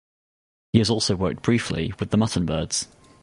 He has also worked briefly with The Mutton Birds.